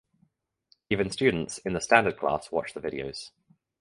Even students in the standard class watched the videos.